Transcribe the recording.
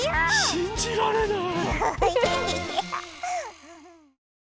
しんじられない。